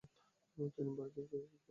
তিনি বাড়ি ফিরে যেতে বাধ্য হন।